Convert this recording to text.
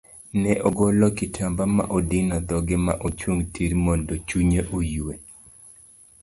Ne ogolo kitamba ma odino dhoge ma ochung tir mondo chunye oyue.